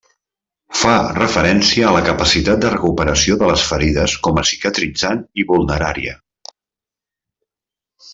Fa referència a la capacitat de recuperació de les ferides com a cicatritzant i vulnerària.